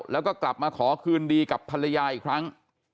แล้วก็กลับมาขอคืนดีกับภรรยาอีกครั้ง